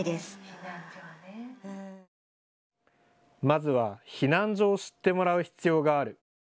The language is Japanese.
まずは避難所を知ってもらう必要がある。